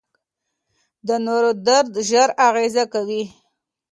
د نورو درد ژر اغېز کوي.